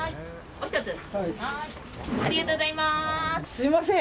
すみません。